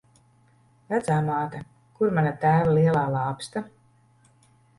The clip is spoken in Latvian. Vecāmāte, kur mana tēva lielā lāpsta?